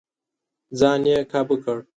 ځان يې کابو کړ.